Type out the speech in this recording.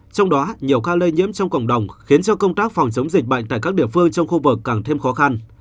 trong đó nhiều ca lây nhiễm trong cộng đồng khiến cho công tác phòng chống dịch bệnh tại các địa phương trong khu vực càng thêm khó khăn